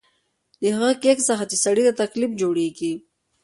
له هغه کېک څخه چې سړي ته تکلیف جوړېږي.